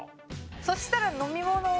そしたら飲み物。